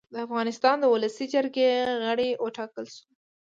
د افغانستان د اولسي جرګې غړی اوټاکلی شو